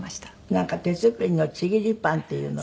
なんか手作りのちぎりパンっていうのを。